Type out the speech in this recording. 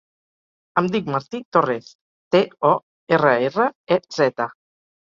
Em dic Martí Torrez: te, o, erra, erra, e, zeta.